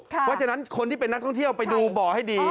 เพราะฉะนั้นคนที่เป็นนักท่องเที่ยวไปดูบ่อให้ดี